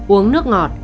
uống nước ngọt